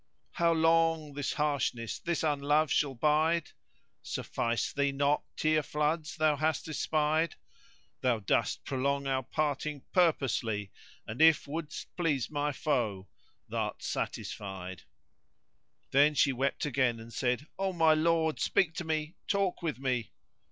— How long this harshness, this unlove, shall bide? * Suffice thee not tear floods thou hast espied? Thou dost prolong our parting purposely * And if wouldst please my foe, thou'rt satisfied! Then she wept again and said, "O my lord! speak to me, talk with me!"